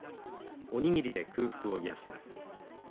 お握りで空腹を癒やします。